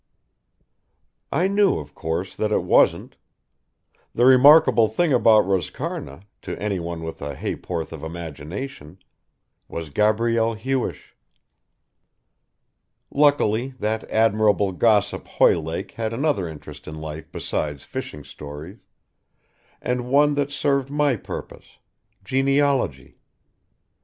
I knew, of course, that it wasn't. The remarkable thing about Roscarna, to anyone with a ha'porth of imagination, was Gabrielle Hewish. Luckily that admirable gossip Hoylake had another interest in life besides fishing stories, and one that served my purpose, genealogy.